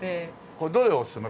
これどれおすすめ？